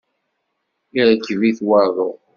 Irkeb-it waḍu.